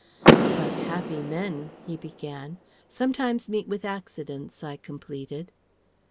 "But happy men " he began. "Sometimes meet with accidents," I completed.